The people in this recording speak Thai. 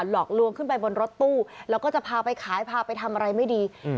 หลอกลวงขึ้นไปบนรถตู้แล้วก็จะพาไปขายพาไปทำอะไรไม่ดีอืม